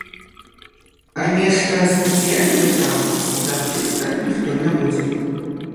А нешта спецыяльна выцягваць з артыста ніхто не будзе.